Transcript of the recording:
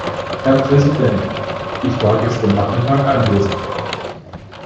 Herr Präsident! Ich war gestern Nachmittag anwesend.